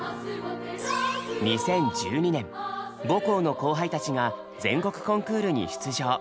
２０１２年母校の後輩たちが全国コンクールに出場。